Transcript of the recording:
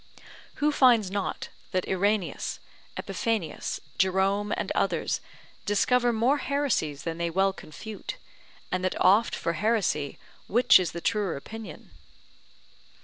Who finds not that Irenaeus, Epiphanius, Jerome, and others discover more heresies than they well confute, and that oft for heresy which is the truer opinion?